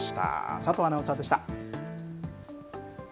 佐藤アナウンサーでした。